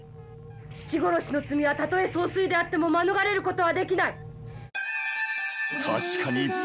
父殺しの罪はたとえ総帥であっても免れる事はできない。